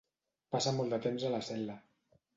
Passa molt de temps a la cel·la.